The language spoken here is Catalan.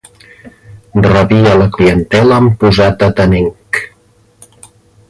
Rebia la clientela amb posat atenenc.